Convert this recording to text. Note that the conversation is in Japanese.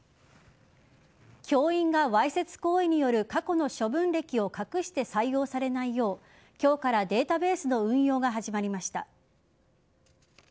教員がわいせつ行為による過去の処分歴を隠して採用されないよう今日からデータベースの運用が始まりました。